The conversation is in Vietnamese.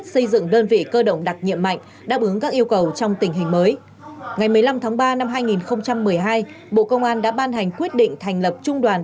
trong tình hình mới ngày một mươi năm tháng ba năm hai nghìn một mươi hai bộ công an đã ban hành quyết định thành lập trung đoàn